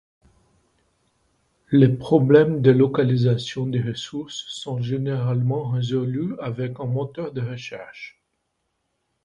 Les problèmes de localisation de ressource sont généralement résolus avec un moteur de recherche.